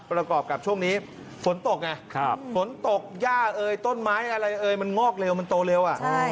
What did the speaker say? ประกอบกับช่วงนี้ฝนตกไงฝนตกย่าเอยต้นไม้อะไรเอ่ยมันงอกเร็วมันโตเร็ว